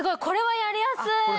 これはやりやすい。